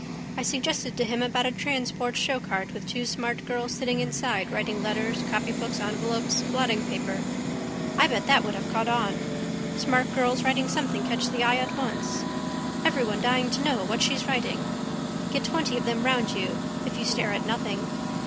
I suggested to him about a transparent showcart with two smart girls sitting inside writing letters, copybooks, envelopes, blottingpaper. I bet that would have caught on. Smart girls writing something catch the eye at once. Everyone dying to know what she's writing. Get twenty of them round you if you stare at nothing.